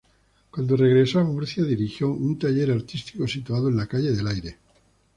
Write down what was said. Cuando regresó a Murcia dirigió un taller artístico situado en la calle del Aire.